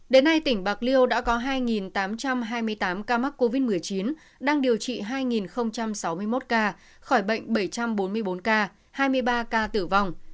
đến nay tỉnh bạc liêu đã có hai tám trăm hai mươi tám ca mắc covid một mươi chín đang điều trị hai sáu mươi một ca khỏi bệnh bảy trăm bốn mươi bốn ca hai mươi ba ca tử vong